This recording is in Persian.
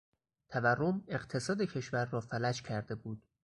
تورم اقتصاد کشور را فلج کرده بود.